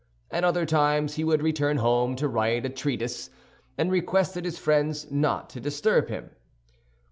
At other times he would return home to write a treatise, and requested his friends not to disturb him.